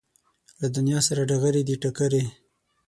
له دنیا سره ډغرې دي ټکرې